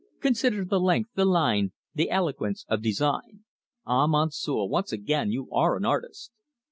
Consider the length, the line, the eloquence of design! Ah, Monsieur, once again, you are an artist!